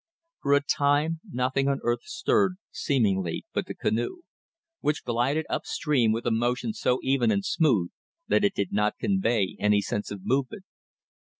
For a time nothing on earth stirred, seemingly, but the canoe, which glided up stream with a motion so even and smooth that it did not convey any sense of movement.